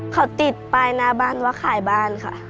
เขาติดป้ายหน้าบ้านว่าขายบ้านค่ะ